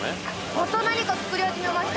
また何か作り始めました